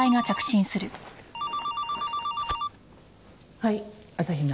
はい朝日奈。